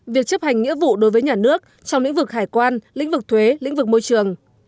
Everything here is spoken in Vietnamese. việc chấp hành nghĩa vụ đối với nhà nước trong lĩnh vực hải quan lĩnh vực thuế lĩnh vực môi trường